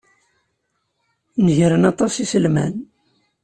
Negren aṭas n yiselman.